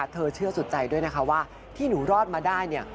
เชื่อสุดใจด้วยนะคะว่าที่หนูรอดมาได้เนี่ย